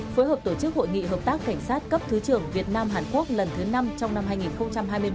phối hợp tổ chức hội nghị hợp tác cảnh sát cấp thứ trưởng việt nam hàn quốc lần thứ năm trong năm hai nghìn hai mươi ba